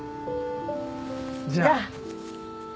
じゃあ